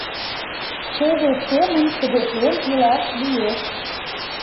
Чыве семын кыдетлен илаш лиеш…